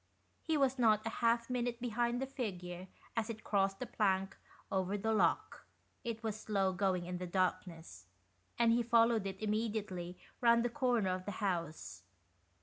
He was not a half minute behind the figure as it crossed the plank over the lock — it was slow going in the darkness — and he followed it immediately round the corner of the house.